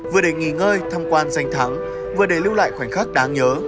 vừa để nghỉ ngơi thăm quan danh thắng vừa để lưu lại khoảnh khắc đáng nhớ